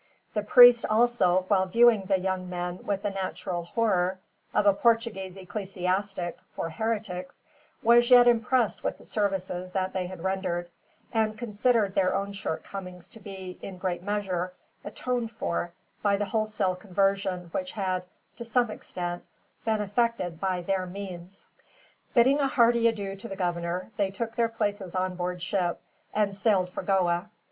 The priest also, while viewing the young men with the natural horror of a Portuguese ecclesiastic for heretics, was yet impressed with the services that they had rendered; and considered their own shortcomings to be, in a great measure, atoned for by the wholesale conversion which had, to some extent, been effected by their means. Bidding a hearty adieu to the governor, they took their places on board ship and sailed for Goa.